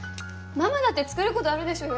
ママだって作る事あるでしょ！